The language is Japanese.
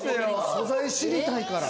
素材知りたいから。